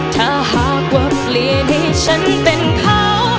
ถ้าหากว่าเปลี่ยนให้ฉันเป็นเขา